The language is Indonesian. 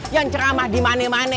yang ceramah di mana mana